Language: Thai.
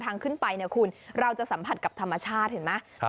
ขึ้นไปเนี่ยคุณเราจะสัมผัสกับธรรมชาติเห็นไหม